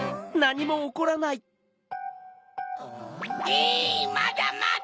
えいまだまだ！